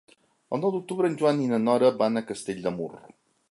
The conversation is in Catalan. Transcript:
El nou d'octubre en Joan i na Nora van a Castell de Mur.